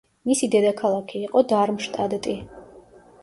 მისი დედაქალაქი იყო დარმშტადტი.